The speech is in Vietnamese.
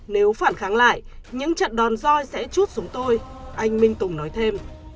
nếu phản kháng lại những trận đòn roi sẽ chút xuống tôi anh minh tùng nói thêm